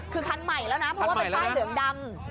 คือคันใหม่แล้วนะเพราะว่าเป็นป้ายเหลืองดำ